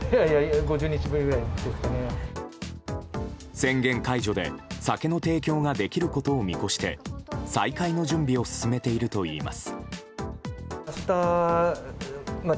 宣言解除で酒の提供ができることを見越して再開の準備を進めているといいます。